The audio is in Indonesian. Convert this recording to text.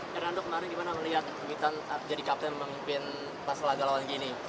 nando kemarin gimana melihat witan jadi kapten pemimpin pasal laga lawan gini